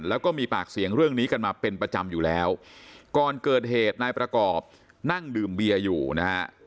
แล้วก็มีปากเสียงเรื่องนี้กันมาเป็นประจำอยู่แล้วก่อนเกิดเหตุนายประกอบนั่งดื่มเบียร์อยู่นะฮะ